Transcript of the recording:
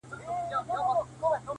o څوك دي د جاناني كيسې نه كوي،